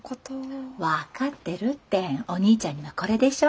分かってるってお兄ちゃんにはこれでしょ。